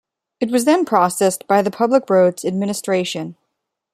It was then processed by the Public Roads Administration.